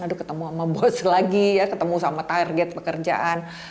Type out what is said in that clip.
aduh ketemu sama bos lagi ya ketemu sama target pekerjaan